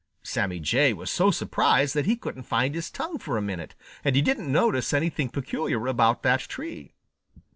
Sammy Jay was so surprised that he couldn't find his tongue for a minute, and he didn't notice anything peculiar about that tree.